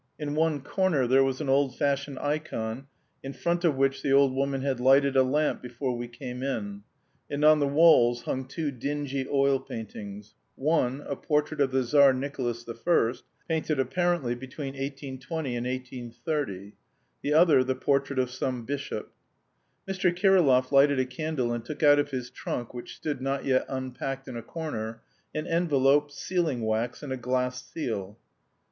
In one corner there was an old fashioned ikon, in front of which the old woman had lighted a lamp before we came in, and on the walls hung two dingy oil paintings, one, a portrait of the Tsar Nikolas I, painted apparently between 1820 and 1830; the other the portrait of some bishop. Mr. Kirillov lighted a candle and took out of his trunk, which stood not yet unpacked in a corner, an envelope, sealing wax, and a glass seal.